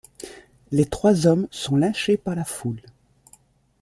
Les trois hommes sont lynchés par la foule.